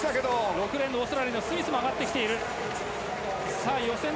６レーンのオーストラリアのスミスも上がってきている。